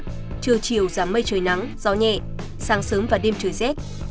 trưa chiều giảm mây trời nắng gió nhẹ sáng sớm và đêm trời rét